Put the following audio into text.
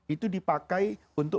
itu dipakai untuk